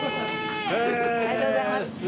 ありがとうございます。